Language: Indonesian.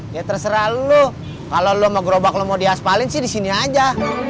ya terserah lu kalau lo sama gerobak lo mau diaspalin sih disini aja